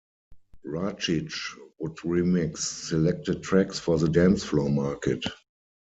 Racic would remix selected tracks for the dance floor market.